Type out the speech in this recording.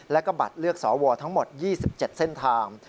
แล้วก็บัตรเลือกสวทั้งหมด๒๗เส้นทาง